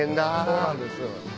そうなんです。